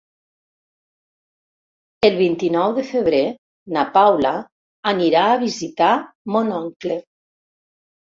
El vint-i-nou de febrer na Paula anirà a visitar mon oncle.